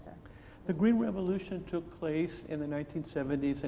revolusi hijau terjadi pada tahun seribu sembilan ratus tujuh puluh dan seribu sembilan ratus delapan puluh